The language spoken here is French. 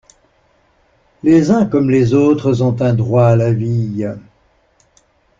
Les uns comme les autres ont un droit à la vie.